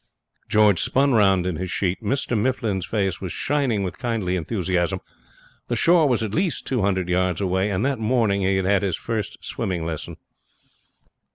George spun round in his seat. Mr Mifflin's face was shining with kindly enthusiasm. The shore was at least two hundred yards away, and that morning he had had his first swimming lesson.